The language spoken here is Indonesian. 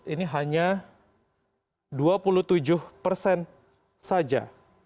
ini hanya dua puluh tujuh persen saja